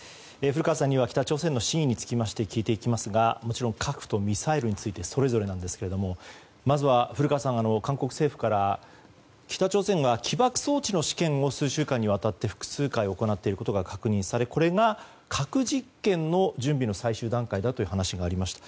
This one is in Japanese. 古川さんには北朝鮮の真意につきまして聞いていきますがもちろん核とミサイルについてそれぞれなんですけどもまずは古川さん、韓国政府から北朝鮮が起爆装置の試験を数週間にわたって複数回行っていることが確認されこれが核実験の準備の最終段階だという話がありました。